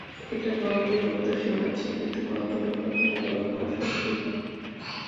এটা গল্পের মতো শোনাচ্ছে, কিন্তু কখনও কখনও গল্পও সত্যি হয়।